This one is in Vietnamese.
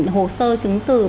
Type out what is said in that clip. hồ sơ chứng từ